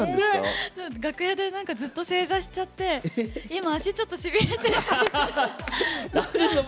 楽屋でずっと正座しちゃって今、足しびれて。